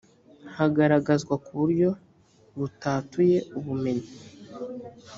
hagaragazwa kuburyo butatuye ubumenyi